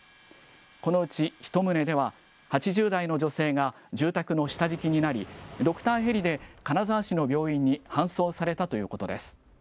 このうち、１棟では８０代の女性が住宅の下敷きになり、ドクターヘリで金沢市の病院に搬送されたということです。